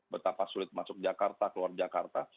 betapa sulit masuk jakarta keluar jakarta